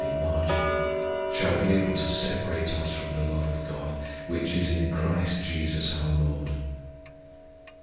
margin], shall be able to separate us from the love of GOD, which is in CHRIST JESUS our LORD."